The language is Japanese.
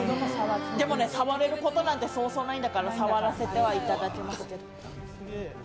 でもね触れることなんてそうそうないんだから触らせていただきます。